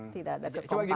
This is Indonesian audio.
tidak ada kekempakan